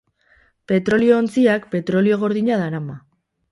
Petrolio-ontziak petrolio gordina darama.